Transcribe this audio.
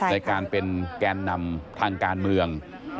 ในการเป็นแกนนำทางการเมือง